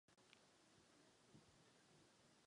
Tuto funkci opustil s odchodem do Kanady.